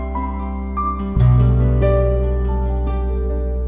ya udah mau